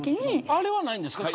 あれはないんですか。